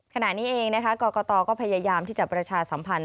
ขณะนี้เองนะคะกรกตก็พยายามที่จะประชาสัมพันธ